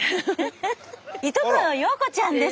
いとこの陽子ちゃんです。